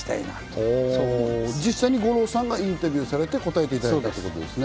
実際、五郎さんがインタビューして答えていただいてるんですね。